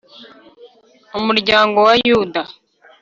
Umuryango wa yuda